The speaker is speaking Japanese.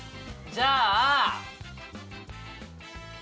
じゃあ。